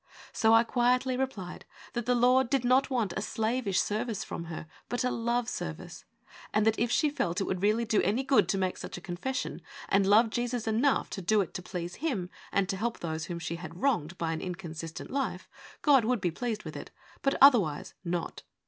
So I quietly replied that the Lord did not want a slavish service from her, but a love service ; and that if she felt it would really do any good to make such a confession, and loved Jesus enough to do it to please Him, and to help those whom she had wronged by an inconsistent life, God would be pleased with it, but other wise not.